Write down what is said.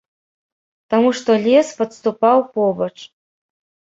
Таму што лес падступаў побач.